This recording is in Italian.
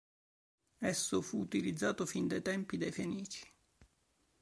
Esso fu utilizzato fin dai tempi dei Fenici.